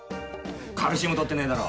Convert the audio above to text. カルシウムとってねえだろ。